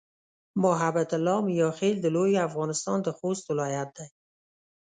محبت الله "میاخېل" د لوی افغانستان د خوست ولایت دی.